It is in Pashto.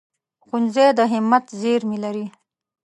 ښوونځی د همت زېرمې لري